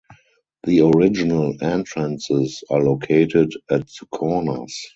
The original entrances are located at the corners.